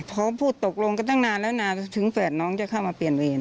พร้อมพูดตกลงกันตั้งนานแล้วนะถึงแฝดน้องจะเข้ามาเปลี่ยนเวร